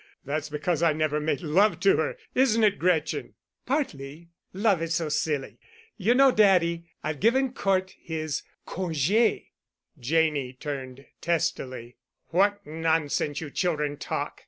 That's because I never made love to her, isn't it, Gretchen?" "Partly. Love is so silly. You know, daddy, I've given Cort his congé." Janney turned testily. "What nonsense you children talk!"